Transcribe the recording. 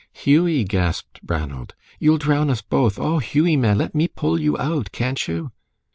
"Hughie!" gasped Ranald, "you'll drown us both. Oh, Hughie man, let me pull you out, can't you?"